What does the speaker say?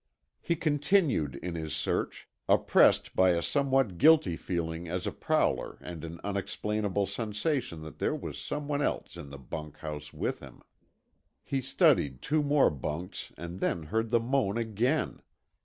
He continued in his search, oppressed by a somewhat guilty feeling as a prowler and an unexplainable sensation that there was someone else in the bunkhouse with him. He studied two more bunks and then heard the moan again.